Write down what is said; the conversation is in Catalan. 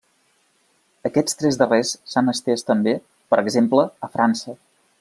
Aquests tres darrers s'han estès també, per exemple, a França.